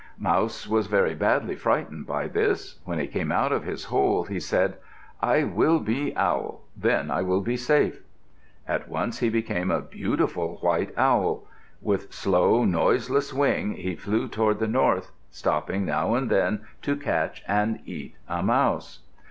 Mouse was very badly frightened by this. When he came out of his hole, he said, "I will be Owl. Then I will be safe." At once he became a beautiful white Owl. With slow, noiseless wing he flew toward the north, stopping now and then to catch and eat a mouse.